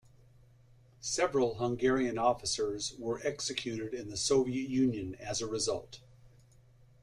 Several Hungarian officers were executed in the Soviet Union as a result.